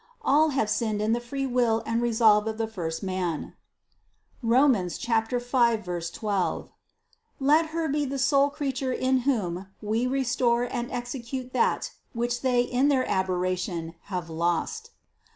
All have sinned in the free will and resolve of the first man (Rom. 5, 12) ; let Her be the sole creature in whom We restore and execute that which they in their aberration have lost.